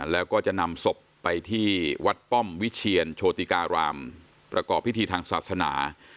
แล้วก็จะนำศพไปที่วัดป้อมวิเชียนโชติการามประกอบพิธีทางศาสนา